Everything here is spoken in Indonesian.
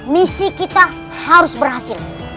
misi kita harus berhasil